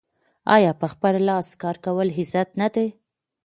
آیا په خپل لاس کار کول عزت نه دی؟